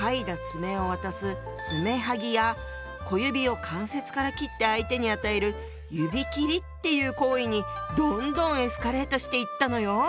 爪を渡す「爪剥ぎ」や小指を関節から切って相手に与える「指切り」っていう行為にどんどんエスカレートしていったのよ。